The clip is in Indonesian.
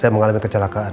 saya mengalami kecelakaan